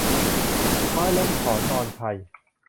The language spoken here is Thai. ไม้ล้มขอนนอนไพร